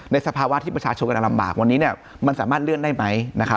สภาวะที่ประชาชนกำลังลำบากวันนี้มันสามารถเลื่อนได้ไหม